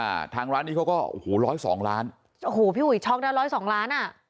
อะทางล้านนี้เขาก็โอ้โห๑๐๒ล้านโอ้โหพี่ห่วิทย์ช้องแล้ว๑๐๒ล้านอ่ะ